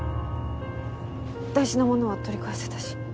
大事なものは取り返せたし。